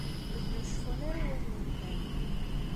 Medden ur ceffun ara i wayen yelhan.